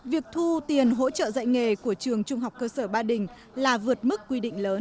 việc thu tiền hỗ trợ dạy nghề của trường trung học cơ sở ba đình là vượt mức quy định lớn